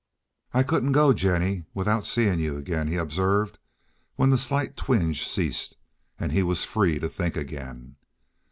"I couldn't go, Jennie, without seeing you again," he observed, when the slight twinge ceased and he was free to think again.